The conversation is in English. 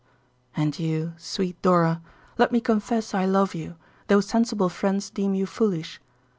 And you, sweet Dora, let me confess I love you, though sensible friends deem you foolish.